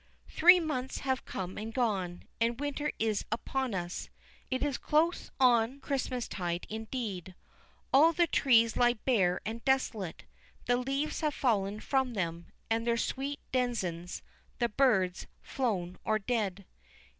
Three months have come and gone, and winter is upon us. It is close on Christmastide indeed. All the trees lie bare and desolate, the leaves have fallen from them, and their sweet denizens, the birds, flown or dead.